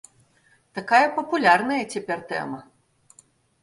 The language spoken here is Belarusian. Такая папулярная цяпер тэма.